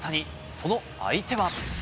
その相手は。